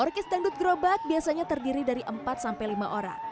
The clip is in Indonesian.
orkes dangdut gerobak biasanya terdiri dari empat sampai lima orang